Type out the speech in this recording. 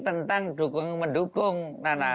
tentang mendukung nana